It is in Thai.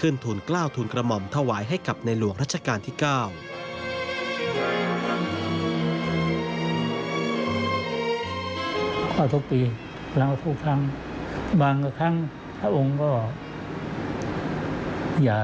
ทุนกล้าวทุนกระหม่อมถวายให้กับในหลวงรัชกาลที่๙